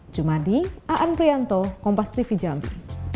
jumadi aan priyanto kompastv jambi